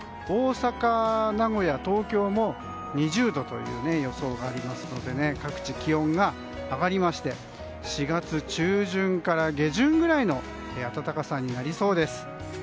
大阪、名古屋、東京も２０度という予想がありますので各地、気温が上がりまして４月中旬から下旬くらいの暖かさになりそうです。